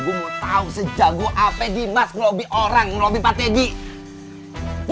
gua mau tau sejak gua apa di mas ngelobi orang ngelobi pak teddy